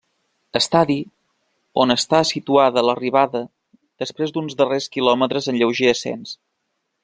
Estadi, on està situada l'arribada, després d'uns darrers quilòmetres en lleuger ascens.